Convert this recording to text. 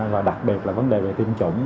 và đặc biệt là vấn đề về tin chủng